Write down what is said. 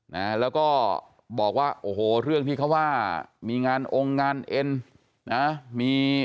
นะแล้วก็บอกว่าโอ้โหเรื่องที่เขาว่ามีงานองค์งานเอ็นนะมี